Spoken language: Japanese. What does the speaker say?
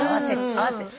合わせて。